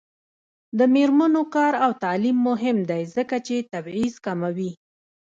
د میرمنو کار او تعلیم مهم دی ځکه چې تبعیض کموي.